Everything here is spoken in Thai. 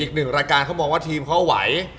อีกหนึ่งรายการเขามองว่าทีมเขาไหว